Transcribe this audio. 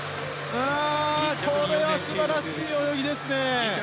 これは素晴らしい泳ぎですね。